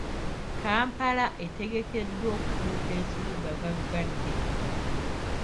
Kampala etegekeddwa okufuuka ekibuga gaggadde.